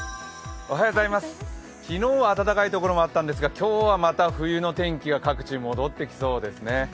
昨日は暖かいところもあったんですが、今日は、また冬の天気が各地、戻ってきそうですね。